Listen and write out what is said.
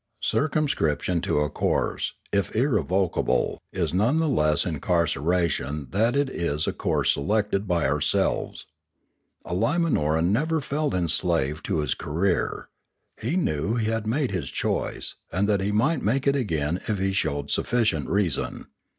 Circumscription to a course, if irrevocable, is none the less incarceration that it is a course selected by ourselves. A Limanoran never felt enslaved to his career. He knew he had made his choice, and that he might make it again if he showed sufficient reason.